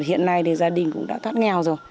hiện nay thì gia đình cũng đã thoát nghèo rồi